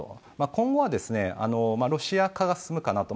今後はロシア化が進むかなと。